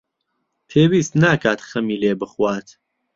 پێویست ناکات خەمی لێ بخوات.